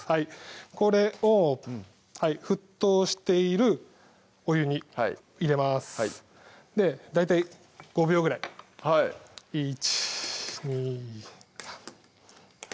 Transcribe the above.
これを沸騰しているお湯に入れます大体５秒ぐらいはい１２５！